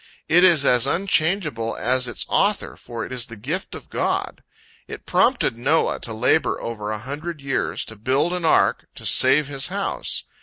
It is as unchangeable as its Author, for it is the gift of God. It prompted Noah to labor over a hundred years, to build an ark, to save his house.